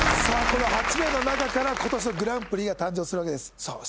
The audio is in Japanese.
この８名の中から今年のグランプリが誕生するわけですさあ